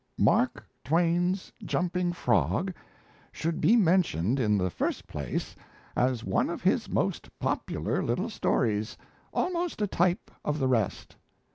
"Mark Twain's 'Jumping Frog' should be mentioned in the first place as one of his most popular little stories almost a type of the rest.